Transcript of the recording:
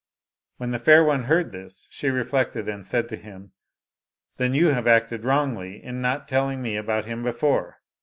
When the fair one heard this, she reflected, and said to him, " Then you have acted wrongly in not telling me about him before.